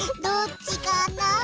どっちかな？